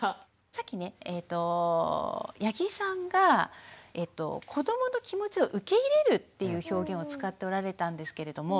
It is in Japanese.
さっきね八木さんが子どもの気持ちを受け入れるっていう表現を使っておられたんですけれども。